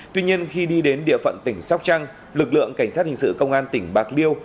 tuy nhiên khi đi đến địa phận tỉnh sóc trăng lực lượng cảnh sát hình sự công an tỉnh bạc liêu